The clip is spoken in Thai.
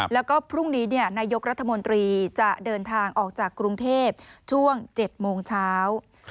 แล้วก็พรุ่งนี้นายกรัฐมนตรีจะเดินทางออกจากกรุงเทพช่วง๗โมงเช้า